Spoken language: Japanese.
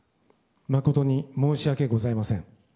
誠に申し訳ございません。